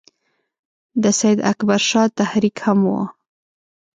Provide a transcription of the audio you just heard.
د سید اکبر شاه تحریک هم وو.